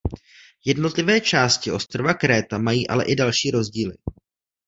Jednotlivé části ostrova Kréta mají ale i další rozdíly.